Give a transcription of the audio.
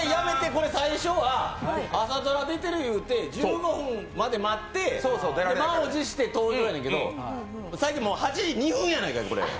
これ最初は朝ドラ出てるっていうので１５分まで待って、満を持して登場やねんけど最近８時２分やないか！